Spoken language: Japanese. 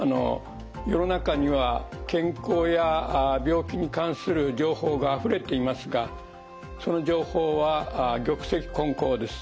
世の中には健康や病気に関する情報があふれていますがその情報は玉石混交です。